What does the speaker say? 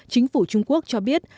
chính phủ trung quốc cho biết